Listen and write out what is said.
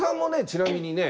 ちなみにね